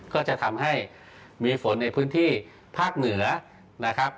ก็จะทำให้มีฝนในพื้นที่ภาคเหนือนะครับ